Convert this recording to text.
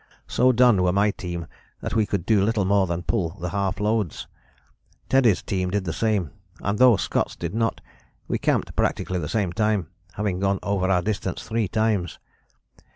So done were my team that we could do little more than pull the half loads. Teddy's team did the same, and though Scott's did not, we camped practically the same time, having gone over our distance three times.